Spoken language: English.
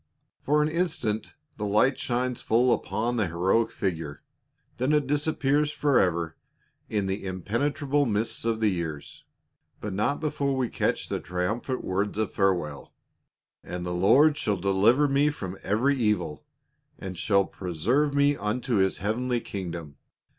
For an instant the light shines full upon the heroic figure, then it disappears forever in the impenetrable mists of the years, but not before we catch the triumph ant words of farewell. " And the Lord shall deliver me from every evil, and shall preserve me unto his heavenly kingdom.